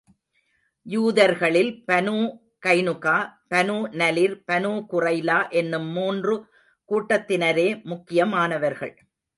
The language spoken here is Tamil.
யூதர்களில் Banu Qaynuqa, Banu Nadir, Banu Qurayza என்னும் மூன்று கூட்டத்தினரே முக்கியமானவர்கள்.